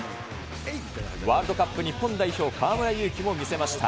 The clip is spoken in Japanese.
ワールドカップ日本代表、河村勇輝も見せました。